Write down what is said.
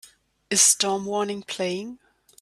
Is Storm Warning playing